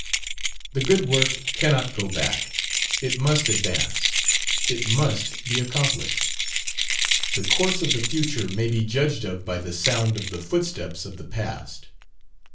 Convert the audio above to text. The good work cannot go back, it must advance, it must be accomplished. The course of the future may be judged of by the sound of the footsteps of the past.